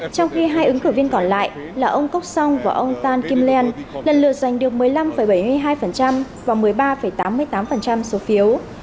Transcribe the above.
trong khi hai ứng cử viên còn lại là ông kok song và ông tan kim lien lần lượt giành được một mươi năm bảy mươi hai và một mươi ba tám mươi tám số phiếu